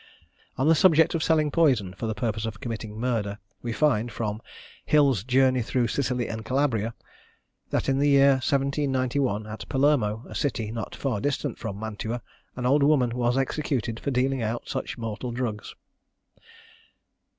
On the subject of selling poison for the purpose of committing murder, we find, from "Hill's Journey through Sicily and Calabria," that in the year 1791, at Palermo, a city not far distant from Mantua, an old woman was executed for dealing out such mortal drugs.